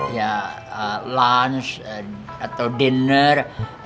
ya lunch atau dinner